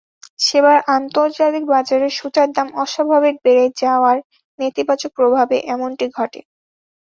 সেবার আন্তর্জাতিক বাজারে সুতার দাম অস্বাভাবিক বেড়ে যাওয়ার নেতিবাচক প্রভাবে এমনটি ঘটে।